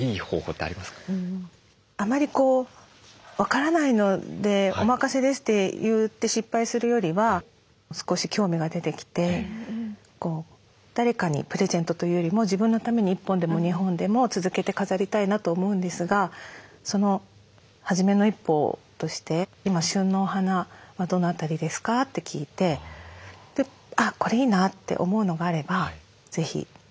「あまり分からないのでお任せです」って言って失敗するよりは少し興味が出てきて誰かにプレゼントというよりも自分のために１本でも２本でも続けて飾りたいなと思うんですがその初めの一歩として「今旬のお花はどの辺りですか？」って聞いてあっこれいいなって思うのがあればぜひ。